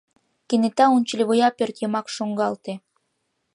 Кенета унчыливуя пӧртйымак шуҥгалте.